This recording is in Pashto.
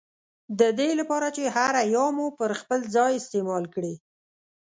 ددې له پاره چي هره ي مو پر خپل ځای استعمال کړې